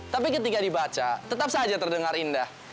tapi ketika dibaca tetap saja terdengar indah